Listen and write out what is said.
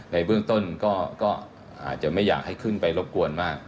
ในเบื้องต้นก็อาจจะไม่อยากให้ขึ้นไปรบกวนมาก